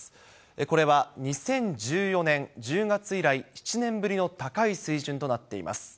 これは２０１４年１０月以来７年ぶりの高い水準となっています。